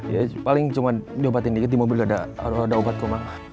ya paling cuma diobatin dikit di mobil ada obat kok malah